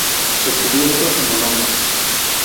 Estudió letras en Bolonia.